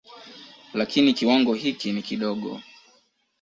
Lakini kiwango hiki ni kidogo.